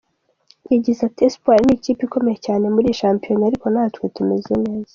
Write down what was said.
Yagize ati: “Espoir ni ikipe ikomeye cyane muri iyi shampiyona, ariko natwe tumeze neza.